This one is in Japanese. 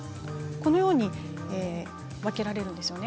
このように分けられるんですよね。